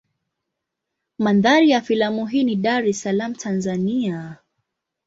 Mandhari ya filamu hii ni Dar es Salaam Tanzania.